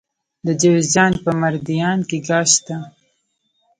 د جوزجان په مردیان کې ګاز شته.